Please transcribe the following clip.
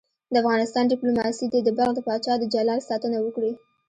د افغانستان دیپلوماسي دې د بلخ د پاچا د جلال ساتنه وکړي.